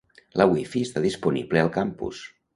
La wifi està disponible al campus.